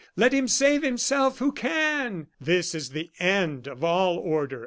Let him save himself who can!" This is the end of all order.